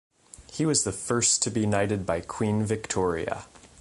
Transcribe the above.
He was the first to be knighted by Queen Victoria.